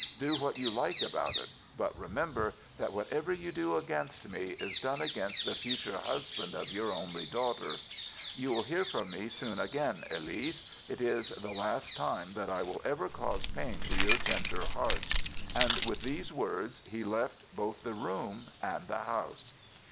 Do what you like about it. But remember that whatever you do against me, is done against the future husband of your only daughter. You will hear from me soon again, Elise. It is the last time that I will ever cause pain to your tender heart,' and with these words he left both the room and the house.